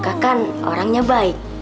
kakak orang baik